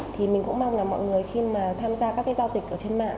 thì mình cũng mong là mọi người khi mà tham gia các cái giao dịch ở trên mạng